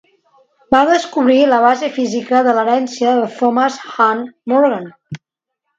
Va descobrir la base física de l'herència de Thomas Hunt Morgan.